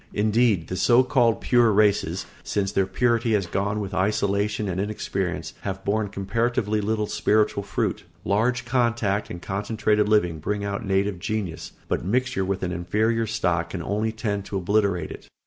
Indeed the so called pure races, since their purity has gone with isolation and inexperience, have borne comparatively little spiritual fruit. Large contact and concentrated living bring out native genius, but mixture with an inferior stock can only tend to obliterate it.